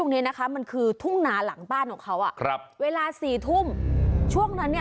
มันก็เหมือนจะไม่ใช่แต่มันแบบแปลกแปลกแปลกแปลก